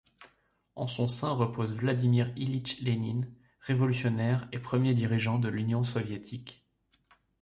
En son sein repose Vladimir Ilitch Lénine, révolutionnaire et premier dirigeant de l'Union soviétique.